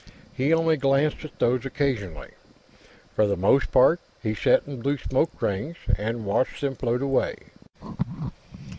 He only glanced at these occasionally; for the most part, he sat and blew smoke rings, and watched them float away.